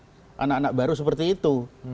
bagaimana supaya tidak lahir anak anak baru seperti itu